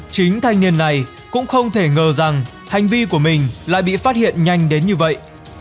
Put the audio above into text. chính thanh niên này cũng không thể ngờ rằng hành vi của mình lại bị phát hiện nhanh đến như vậy